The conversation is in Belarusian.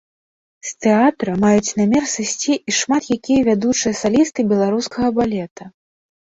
З тэатра маюць намер сысці і шмат якія вядучыя салісты беларускага балета.